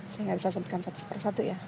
saya nggak bisa sebutkan satu persatu ya